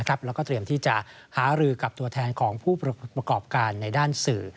แล้วก็เตรียมที่จะหารือกับตัวแทนของผู้ประกอบการในด้านสื่อ